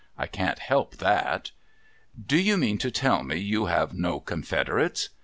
I can't help that.' ' Do you mean to tell me you have no confederates